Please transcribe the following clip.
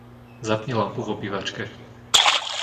Zapni lampu v obývačke.